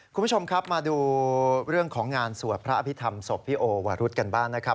คุณผู้ชมครับมาดูเรื่องของงานสวดพระอภิษฐรรมศพพี่โอวารุธกันบ้างนะครับ